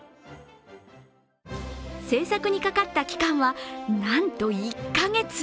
制作にかかった期間はなんと１か月。